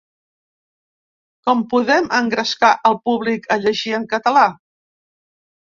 Com podem engrescar el públic a llegir en català?